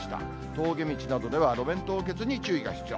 峠道などでは路面凍結に注意が必要。